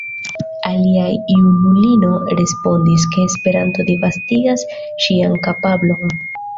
Alia junulino respondis, ke Esperanto disvastigas ŝian kapablon.